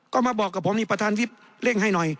ก็มาบอกกับผมนี่ประธานวิบเร่งให้หน่อย